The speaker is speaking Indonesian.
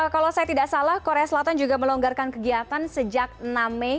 kalau saya tidak salah korea selatan juga melonggarkan kegiatan sejak enam mei